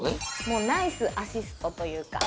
もうナイスアシストというか。